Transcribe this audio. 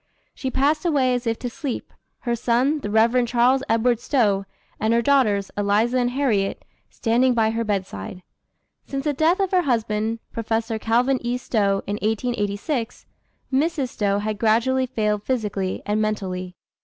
She passed away as if to sleep, her son, the Rev. Charles Edward Stowe, and her daughters, Eliza and Harriet, standing by her bedside. Since the death of her husband, Professor Calvin E. Stowe, in 1886, Mrs. Stowe had gradually failed physically and mentally.